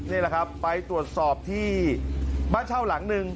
นี่แหละครับไปตรวจสอบที่บ้านเช่าหลังหนึ่ง